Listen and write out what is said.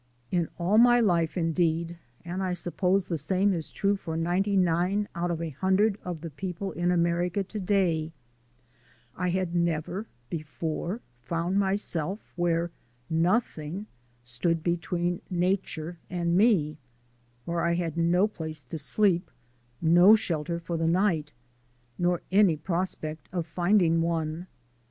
In all my life, indeed, and I suppose the same is true of ninety nine out of a hundred of the people in America to day, I had never before found myself where nothing stood between nature and me, where I had no place to sleep, no shelter for the night nor any prospect of finding one.